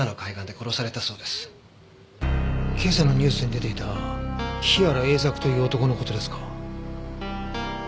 今朝のニュースに出ていた日原英策という男の事ですか？